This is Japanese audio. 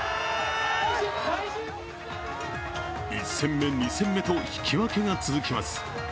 １戦目、２戦目と引き分けが続きます。